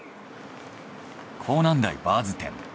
港南台バーズ店。